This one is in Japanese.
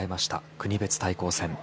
国別対抗戦。